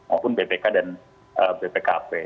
maupun bpk dan bpkp